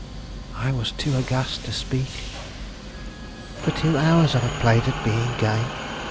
I was too aghast to speak. "For two hours I have played at being gay.